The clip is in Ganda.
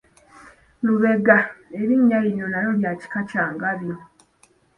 Lubega, erinnya lino nalyo lya kika kya Ngabi.